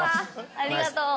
ありがとう。